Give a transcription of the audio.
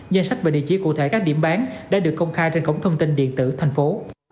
danh sách và địa chỉ cụ thể các điểm bán đã được công khai trên cổng thông tin điện tử thành phố